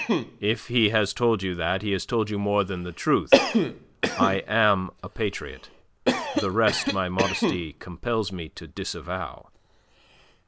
"If he has told you that, he has told you more than the truth! I am a patriot. The rest my modesty compels me to disavow."